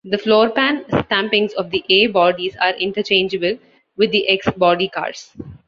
The floorpan stampings of the A-Bodies are interchangeable with the X-Body cars.